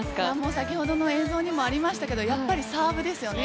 先ほどの映像にもありましたけれどもやはりサーブですよね。